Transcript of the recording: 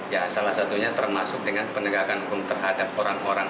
ya salah satunya termasuk dengan penegakan hukum terhadap orang orang